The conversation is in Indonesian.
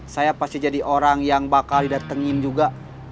saya pasti jadi orang yang bakal didatengin juga